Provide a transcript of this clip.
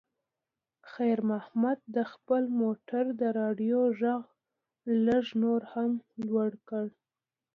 خیر محمد د خپل موټر د راډیو غږ لږ نور هم لوړ کړ.